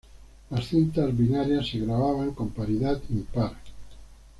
Las cintas binarias se grababan con paridad impar.